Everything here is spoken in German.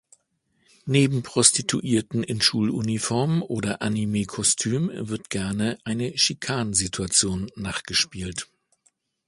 Neben Prostituierten in Schuluniform oder Anime-Kostüm wird gerne eine Chikan-Situation nachgespielt.